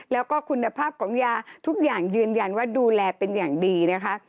แล้วก็คุณภาพของยาทุกอย่างยืนยันว่าดูแลเป็นอย่างดีนะคะ